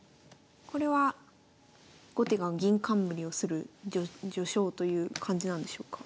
これは後手が銀冠をする序章という感じなんでしょうか。